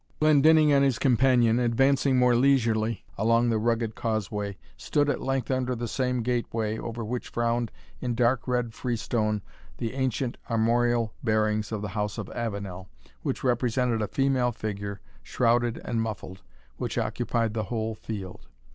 Glendinning and his companion advancing more leisurely along the rugged causeway, stood at length under the same gateway, over which frowned, in dark red freestone, the ancient armorial bearings of the house of Avenel, which represented a female figure shrouded and muffled, which occupied the whole field.